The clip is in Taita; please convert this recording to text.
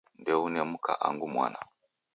Ndeune mka angu mwana.